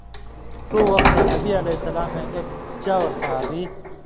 ݜُو وختہ نبی علیہ سلامے اېک چاور صحابی